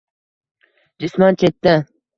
Jisman chetda